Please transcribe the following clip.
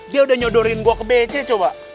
dia udah nyodorin gue ke bece coba